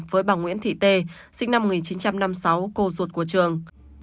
với bà nguyễn thị tê sinh năm một nghìn chín trăm năm mươi sáu cô ruột của trường